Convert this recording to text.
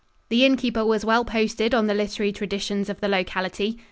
The inn keeper was well posted on the literary traditions of the locality.